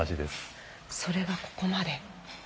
それがここまで。